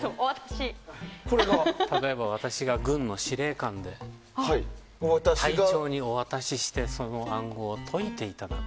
私が軍の司令官で隊長にお渡ししてその暗号を解いていただく。